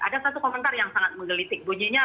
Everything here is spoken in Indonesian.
ada satu komentar yang sangat menggelitik bunyinya